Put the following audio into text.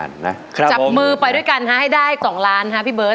จับมือไปด้วยกันให้ได้๒ล้านฮะพี่เบิร์